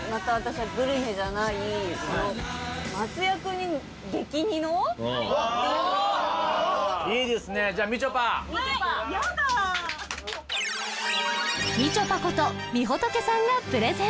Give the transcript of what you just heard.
はいヤダみちょぱことみほとけさんがプレゼン